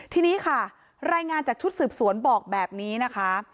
ทีนี้ค่ะรายงานจากชุดสืบสวนบอกแบบนี้นะคะ